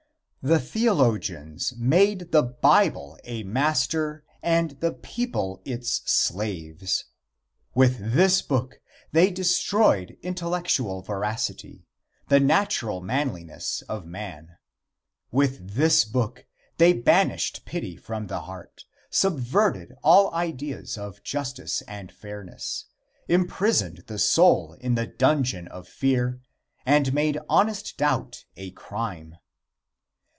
The theologians made the Bible a master and the people its slaves. With this book they destroyed intellectual veracity, the natural manliness of man. With this book they banished pity from the heart, subverted all ideas of justice and fairness, imprisoned the soul in the dungeon of fear and made honest doubt a crime.